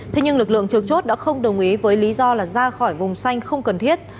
thế nhưng lực lượng trường chốt đã không đồng ý với lý do là ra khỏi vùng xanh không cần thiết